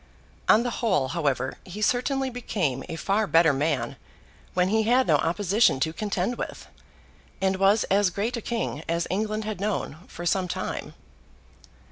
On the whole, however, he certainly became a far better man when he had no opposition to contend with, and was as great a King as England had known for some time.